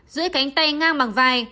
giữa cánh tay ngang bằng vai